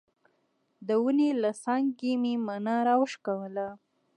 د ونې له څانګې مې مڼه راوشکوله.